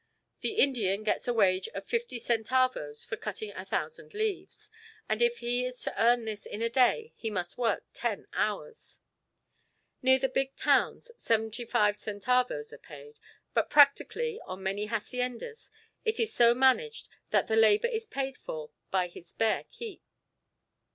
The Indian gets a wage of 50 centavos for cutting a thousand leaves, and if he is to earn this in a day he must work ten hours. Near the big towns, 75 centavos are paid, but practically, on many haciendas, it is so managed that the labour is paid for by his bare keep.